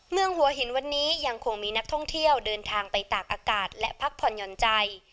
เมืองหัวหินวันนี้ยังคงมีนักท่องเที่ยวเดินทางไปตากอากาศและพักผ่อนหย่อนใจ